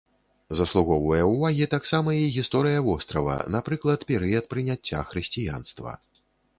Заслугоўвае ўвагі таксама і гісторыя вострава, напрыклад, перыяд прыняцця хрысціянства.